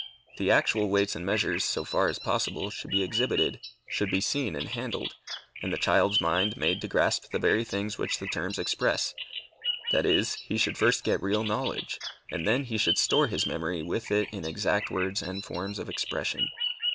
The actual weights and measures, so far as possible, should be exhibited, should be seen and handled, and the child's mind made to grasp the very things which the terms express, that is, he should first get real knowledge, and then he should store his memory with it in exact words and forms of expression.